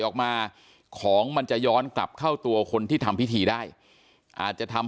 ออกมาของมันจะย้อนกลับเข้าตัวคนที่ทำพิธีได้อาจจะทำ